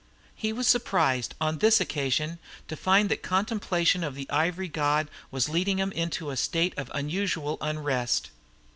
He was surprised, on this occasion, to find that contemplation of the ivory god was leading him into a state of unusual unrest.